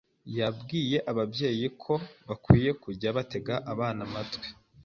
yabwiye ababyeyi ko bakwiye kujya batega abana amatwi